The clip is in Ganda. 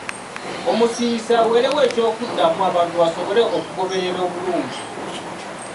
Omusiiyiisi aweerewo ekyokuddamu abantu basobole okugoberera obulungi.